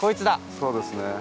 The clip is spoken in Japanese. そうですね。